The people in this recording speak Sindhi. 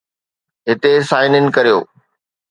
هتي سائن ان ڪريو